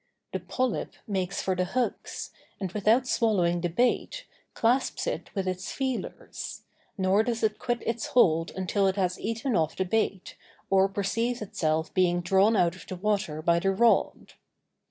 The polyp makes for the hooks, and without swallowing the bait, clasps it with its feelers; nor does it quit its hold until it has eaten off the bait, or perceives itself being drawn out of the water by the rod.